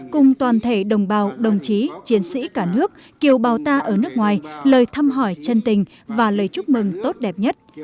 cùng toàn thể đồng bào đồng chí chiến sĩ cả nước kiều bào ta ở nước ngoài lời thăm hỏi chân tình và lời chúc mừng tốt đẹp nhất